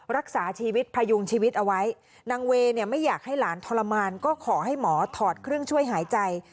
รักษาชีวิตพยุงชีวิตเอาไว้นางเวย์เนี่ยไม่อยากให้หลานทรมานก็ขอให้หมอถอดเครื่องช่วยหายใจ